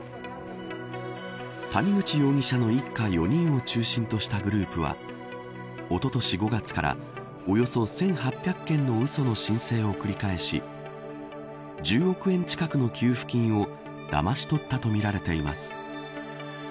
谷口容疑者の一家４人を中心としたグループはおととし５月からおよそ１８００件のうその申請を繰り返し１０億円近くの給付金をだまし取ったとみられています。